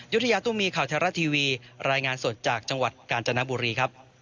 ยุฒิยาตุมีขาวเทราทีวีรายงานสดจากจังหวัดกาญจนบุรี